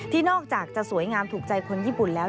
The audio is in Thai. นอกจากจะสวยงามถูกใจคนญี่ปุ่นแล้ว